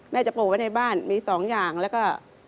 แม่จะปลูกไว้ในบ้านมี๒อย่างแล้วก็